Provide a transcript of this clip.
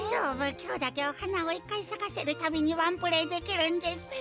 きょうだけおはなを１かいさかせるたびにワンプレーできるんですよ。